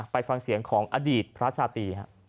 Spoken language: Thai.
ไปฟังเสียงของอดีตพระชาตรี